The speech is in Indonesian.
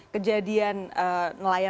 kejadian nelayan nelayan dari negara lain